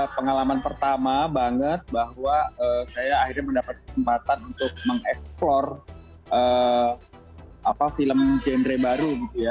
pengalaman pertama banget bahwa saya akhirnya mendapat kesempatan untuk mengeksplor film genre baru gitu ya